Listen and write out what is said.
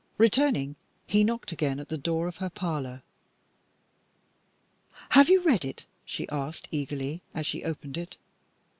Returning, he knocked again at the door of her parlour. "Have you read it?" she asked, eagerly, as she opened it.